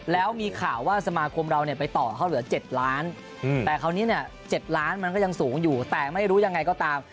แล้วมีข่าวว่าสมาคมเราเนี่ยไปต่อเขาเหลือ๗ล้านแต่คราวนี้เนี่ย๗ล้านมันก็ยังสูงอยู่แต่ไม่รู้ยังไงก็ตาม